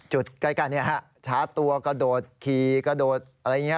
ใกล้ชาร์จตัวกระโดดขี่กระโดดอะไรอย่างนี้